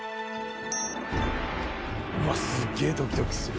うわっすっげぇドキドキする。